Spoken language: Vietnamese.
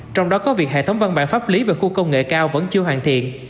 trong đó có việc hệ thống văn bản pháp lý về khu công nghệ cao vẫn chưa hoàn thiện